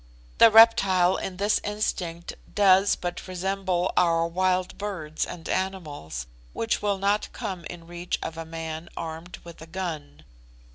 The reptile in this instinct does but resemble our wild birds and animals, which will not come in reach of a man armed with a gun.